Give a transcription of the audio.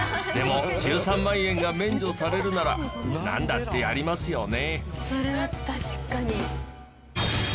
でも１３万円が免除されるならなんだってやりますよね。